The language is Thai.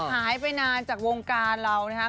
หายไปนานจากวงการเรานะครับ